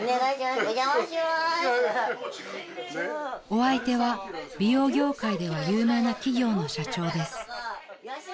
［お相手は美容業界では有名な企業の社長です］